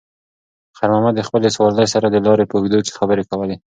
خیر محمد د خپلې سوارلۍ سره د لارې په اوږدو کې خبرې کولې.